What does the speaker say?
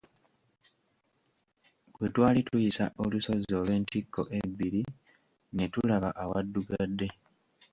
Bwe twali tuyisa olusozi olw'entikko ebbiri ne tulaba awaddugadde.